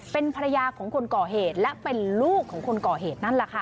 เป็นภรรยาของคนก่อเหตุและเป็นลูกของคนก่อเหตุนั่นแหละค่ะ